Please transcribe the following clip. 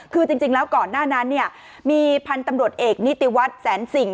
คือจริงแล้วก่อนหน้านั้นเนี่ยมีพันธุ์ตำรวจเอกนิติวัฒน์แสนสิ่ง